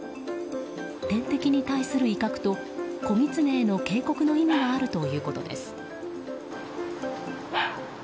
天敵に対する威嚇と子ギツネへの警告の意味があるということです。